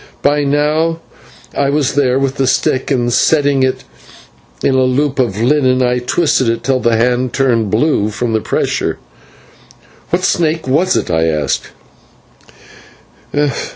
By now I was there with the stick, and, setting it in the loop of linen, I twisted it till the hand turned blue from the pressure. "What snake was it?" I asked.